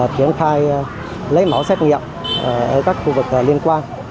triển khai lấy mẫu xét nghiệm ở các khu vực liên quan